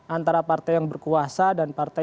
antara partai yang berkuasa dan partai